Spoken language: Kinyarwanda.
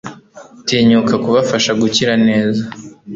tinyuka kubafasha gukira neza